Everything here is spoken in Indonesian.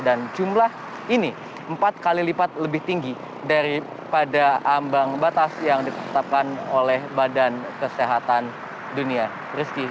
dan jumlah ini empat kali lipat lebih tinggi daripada ambang batas yang diperletakkan oleh badan kesehatan dunia rizki